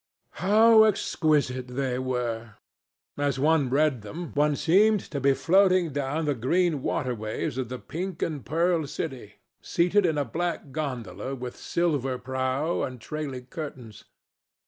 How exquisite they were! As one read them, one seemed to be floating down the green water ways of the pink and pearl city, seated in a black gondola with silver prow and trailing curtains.